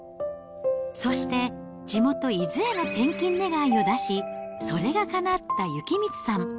そして、地元、伊豆への転勤願を出し、それがかなった幸光さん。